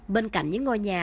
bên cạnh những ngôi nhà